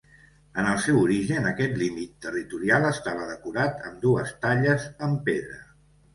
En el seu origen, aquest límit territorial estava decorat amb dues talles en pedra.